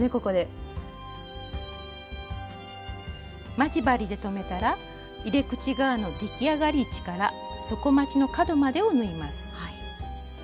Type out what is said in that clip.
待ち針で留めたら入れ口側の出来上がり位置から底まちの角までを縫います。